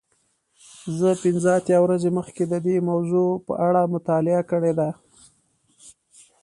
زه پنځه اتیا ورځې مخکې د دې موضوع په اړه مطالعه کړې ده.